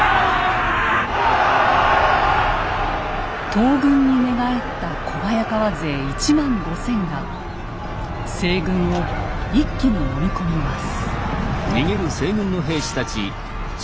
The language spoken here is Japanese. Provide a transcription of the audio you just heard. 東軍に寝返った小早川勢１万５，０００が西軍を一気にのみ込みます。